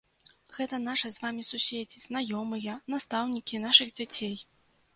Гэта нашы з вамі суседзі, знаёмыя, настаўнікі нашых дзяцей.